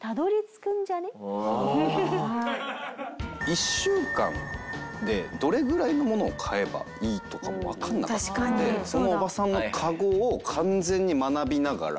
１週間でどれぐらいのものを買えばいいとかもわかんなかったのでそのおばさんのカゴを完全に学びながら。